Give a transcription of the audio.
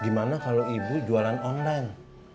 gimana kalau ibu jualan online